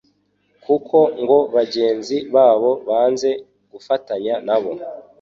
kuko ngo bagenzi babo banze gufatanya nabo